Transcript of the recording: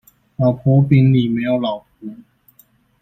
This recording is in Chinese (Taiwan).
老婆餅裡沒有老婆